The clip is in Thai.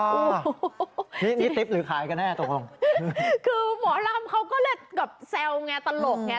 โอ้โหนี่นี่ติ๊บหรือขายกันแน่ตกลงคือหมอลำเขาก็เลยกับแซวไงตลกไง